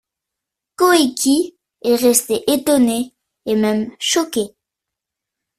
Koiki est resté étonné et même choqué...